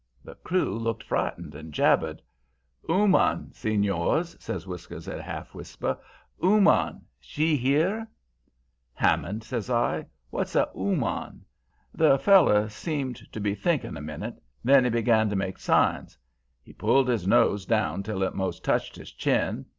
The crew looked frightened, and jabbered. "'Ooman, senors,' says Whiskers, in half a whisper. 'Ooman, she here?' "'Hammond,' says I, 'what's a ooman?' The feller seemed to be thinkin' a minute; then he began to make signs. He pulled his nose down till it most touched his chin.